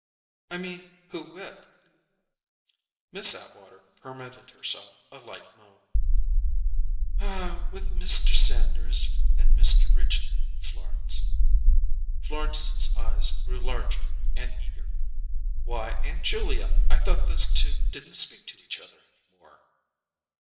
"I mean: Who with?" Miss Atwater permitted herself a light moan. "With Mr. Sanders and Mr. Ridgely, Florence." Florence's eyes grew large and eager. "Why, Aunt Julia, I thought those two didn't speak to each other any more!"